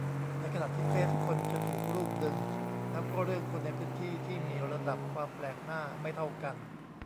ในขณะที่เฟซคนจะถูกรูปดึง แล้วก็เรื่องคนในพื้นที่ ที่มีระดับความแปลกหน้าไม่เท่ากัน